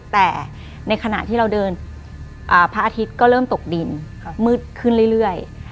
แต่ในขณะที่เราเดินพระอาทิตย์ก็เริ่มตกดินมืดขึ้นเรื่อย